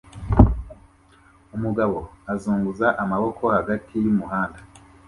umugabo azunguza amaboko hagati y'umuhanda